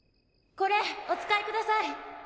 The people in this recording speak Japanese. これお使いください